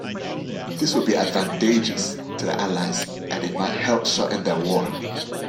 This would be advantageous to the Allies, and it might help shorten the war.